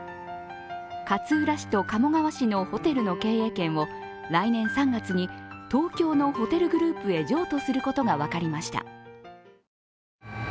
勝浦市と鴨川市のホテルの経営権を来年３月に東京のホテルグループへ譲渡することが分かりました。